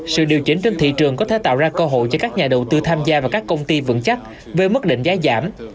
sự điều chỉnh trên thị trường có thể tạo ra cơ hội cho các nhà đầu tư tham gia vào các công ty vững chắc với mức định giá giảm